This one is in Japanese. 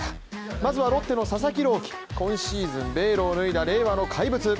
まずはロッテの佐々木朗希今シーズンベールを脱いだ令和の怪物。